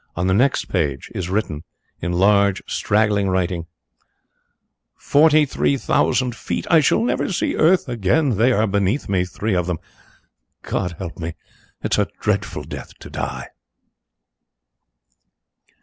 On the next page is written, in large, straggling writing: "Forty three thousand feet. I shall never see earth again. They are beneath me, three of them. God help me; it is a dreadful death to die!"